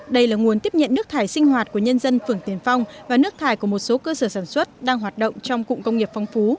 đây là nguồn tiếp nhận nước thải sinh hoạt của nhân dân phường tiền phong và nước thải của một số cơ sở sản xuất đang hoạt động trong cụm công nghiệp phong phú